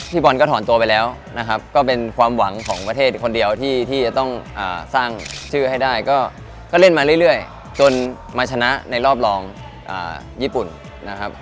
บอลก็ถอนตัวไปแล้วนะครับก็เป็นความหวังของประเทศคนเดียวที่จะต้องสร้างชื่อให้ได้ก็เล่นมาเรื่อยจนมาชนะในรอบรองญี่ปุ่นนะครับ